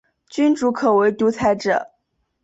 君主可为独裁者。